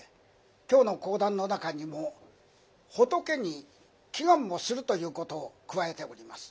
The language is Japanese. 今日の講談の中にも仏に祈願をするということを加えております。